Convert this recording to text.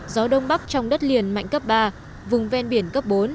gió đông bắc trong đất liền mạnh cấp ba vùng ven biển cấp bốn